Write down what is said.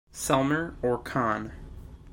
Selmer or Conn.